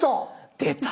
出た。